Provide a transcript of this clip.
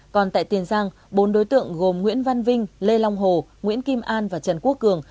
còn tại tiền giang bốn đối tượng gồm nguyễn văn vinh lê long hồ nguyễn kim an và trần quốc cường